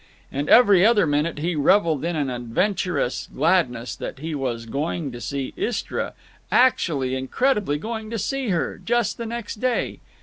And every other minute he reveled in an adventurous gladness that he was going to see Istra—actually, incredibly going to see her, just the next day!